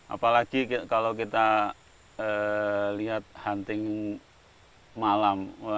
apalagi kalau kita lihat hunting malam